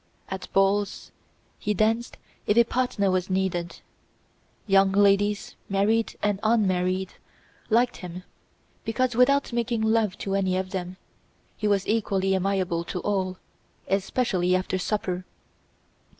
At balls he danced if a partner was needed. Young ladies, married and unmarried, liked him because without making love to any of them, he was equally amiable to all, especially after supper.